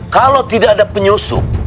kalau tidak ada penyusup